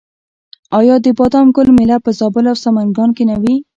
آیا د بادام ګل میله په زابل او سمنګان کې نه وي؟